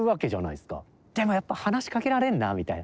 でもやっぱ話しかけられんなあみたいな。